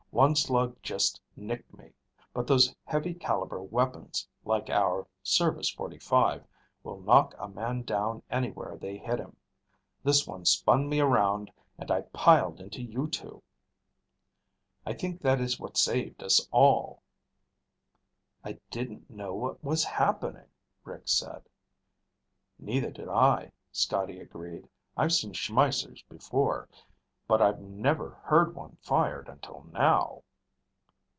One slug just nicked me. But those heavy caliber weapons, like our service .45, will knock a man down anywhere they hit him. This one spun me around and I piled into you two. I think that is what saved us all." "I didn't know what was happening," Rick said. "Neither did I," Scotty agreed. "I've seen Schmeissers before, but I've never heard one fired until now."